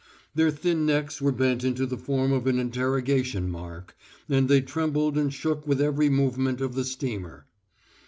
Their thin necks were bent info the form of an interrogation mark, and they trembled and shook with every movement of the steamer.